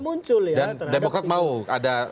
muncul dan demokrat mau ada